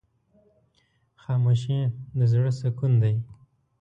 خاموشي، د زړه سکون دی.